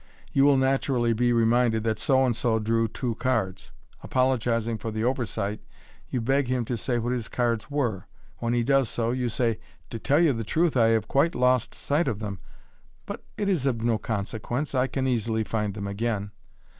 You will naturally be re minded that So and so drew two cirds. Apologizing for the over sight, you beg him to say what his cards were. When he does %o, you say, "To tell you the truth I have quite lost sight of them j but it is of no consequence, I can easily find them aerain."